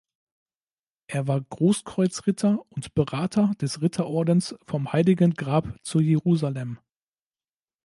Er war Großkreuzritter und Berater des Ritterordens vom Heiligen Grab zu Jerusalem.